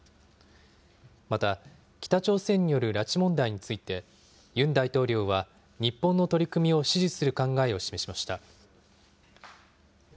また北朝鮮による拉致問題について、ユン大統領は、日本の取り組みを支持する考えを示しました。